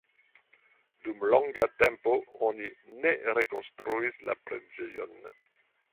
Dum longa tempo oni ne rekonstruis la preĝejon.